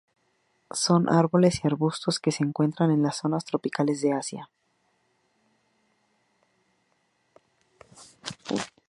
Son árboles y arbustos que se encuentran en las zonas tropicales de Asia.